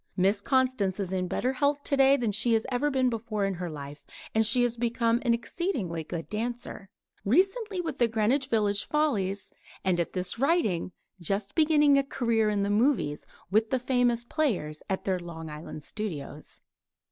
Miss Constance is in better health today than she has ever been before in her life; and she has become an exceedingly good dancer recently with the Greenwich Village Follies and at this writing just beginning a career in the movies with the Famous Players at their Long Island Studios.